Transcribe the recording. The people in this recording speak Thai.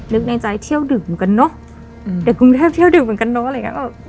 นึกในใจเที่ยวดื่มเหมือนกันเนอะเด็กกรุงเทพเที่ยวดื่มเหมือนกันเนอะอะไรอย่างเงี้ย